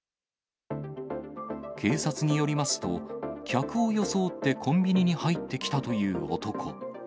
警察によりますと、客を装ってコンビニに入ってきたという男。